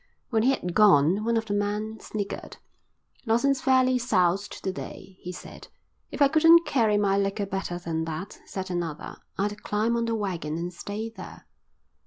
When he had gone one of the men sniggered. "Lawson's fairly soused to day," he said. "If I couldn't carry my liquor better than that," said another, "I'd climb on the waggon and stay there."